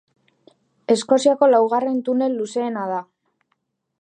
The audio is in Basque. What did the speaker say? Eskoziako laugarren tunel luzeena da.